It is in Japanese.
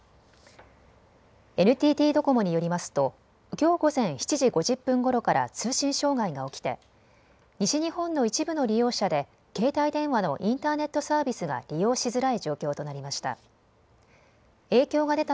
ＮＴＴドコモによりますときょう午前７時５０分ごろから通信障害が起きて西日本の一部の利用者で携帯電話のインターネットサービスが利用しづらい状況となりました。